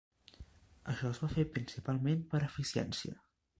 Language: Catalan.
Això es va fer principalment per eficiència.